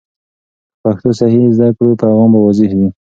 که پښتو صحیح زده کړو، پیغام به واضح وي.